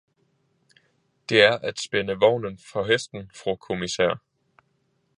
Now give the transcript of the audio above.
Det er at spænde vognen for hesten, fru kommissær.